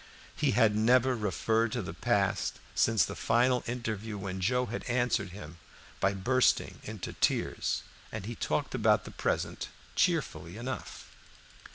He had never referred to the past since the final interview when Joe had answered him by bursting into tears, and he talked about the present cheerfully enough.